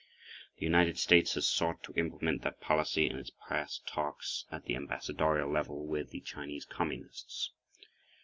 The United States has sought to implement that policy in its past talks at the ambassadorial level with the Chinese Communists.